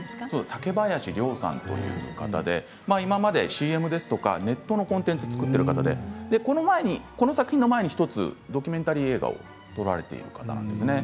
竹林亮さんという方で今までＣＭですとかネットのコンテンツを作っている方でこの作品の前に１つドキュメンタリー映画を撮られている方なんですね。